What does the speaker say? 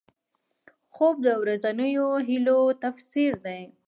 خوب د ورځنیو هیلو تفسیر دی